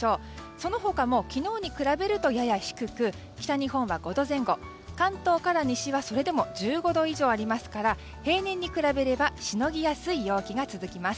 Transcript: その他も昨日に比べるとやや低く北日本は５度前後関東から西はそれでも１５度以上ありますから平年に比べればしのぎやすい陽気が続きます。